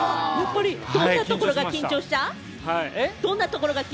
どんなところが緊張しちゃう？